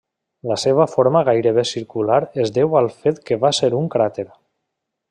La seva forma gairebé circular es deu al fet que va ser un cràter.